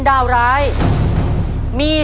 ขอเชิญแม่จำรูนขึ้นมาต่อชีวิต